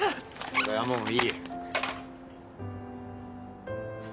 それはもういい。